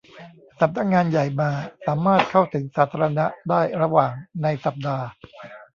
สำนักงานใหญ่มาสามารถเข้าถึงสาธารณะได้ระหว่างในสัปดาห์